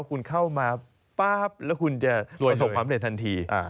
คุณเข้ามาป๊าบแล้วคุณจะประสบความเร็จทันที